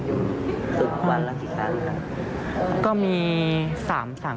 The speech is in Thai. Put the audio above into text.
ศึกวันละกี่ครั้ง